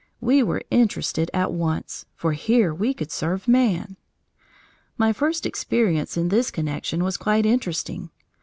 We were interested at once, for here we could serve man. My first experience in this connection was quite interesting.